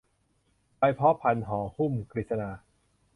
ใบพ้อพันห่อหุ้ม กฤษณา